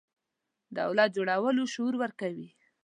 دولت جوړولو شعور ورکوي.